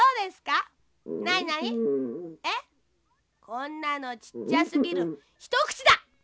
こんなのちっちゃすぎるひとくちだ！